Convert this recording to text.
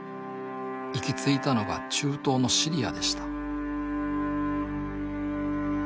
行き着いたのが中東のシリアでした